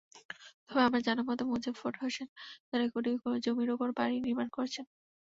তবে আমার জানামতে, মোজাফফর হোসেন তাঁর রেকর্ডীয় জমির ওপর বাড়ি নির্মাণ করছেন।